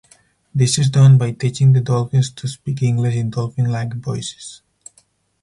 This is done by teaching the dolphins to speak English in dolphin-like voices.